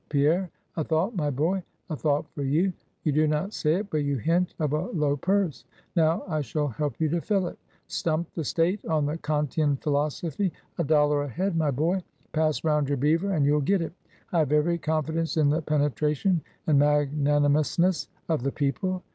"Pierre, a thought, my boy; a thought for you! You do not say it, but you hint of a low purse. Now I shall help you to fill it Stump the State on the Kantian Philosophy! A dollar a head, my boy! Pass round your beaver, and you'll get it. I have every confidence in the penetration and magnanimousness of the people!